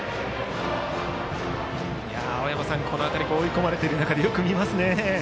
青山さん、この辺り追い込まれている中でよく見ていますよね。